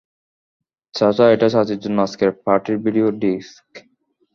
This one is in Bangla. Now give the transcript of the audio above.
চাচা, এটা চাচির জন্য আজকের পার্টির ভিডিও ডিস্ক।